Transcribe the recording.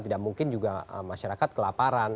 tidak mungkin juga masyarakat kelaparan